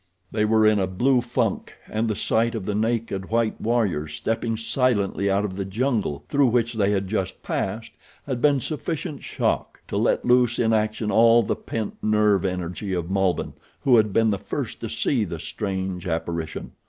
They were in a blue funk, and the sight of the naked white warrior stepping silently out of the jungle through which they had just passed had been sufficient shock to let loose in action all the pent nerve energy of Malbihn, who had been the first to see the strange apparition.